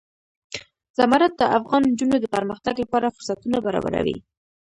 زمرد د افغان نجونو د پرمختګ لپاره فرصتونه برابروي.